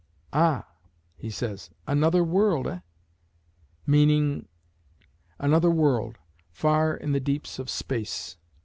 "Ah!" he says. "Another world eh? Meaning ?" "Another world far in the deeps of space."